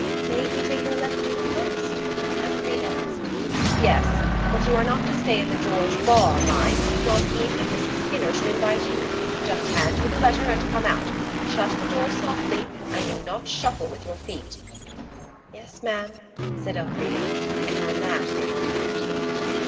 "Mayn't we take your letter to the post?" Elfrida asked. "Yes; but you are not to stay in the 'George' bar, mind, not even if Mrs. Skinner should invite you. Just hand her the letter and come out. Shut the door softly, and do not shuffle with your feet." "Yes, ma'am," said Elfrida; and on that they got out.